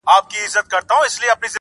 دا ټولنه به نو څنکه اصلاح کيږي,